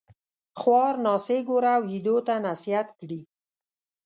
خوار ناصح ګوره ويدو تـــه نصيحت کړي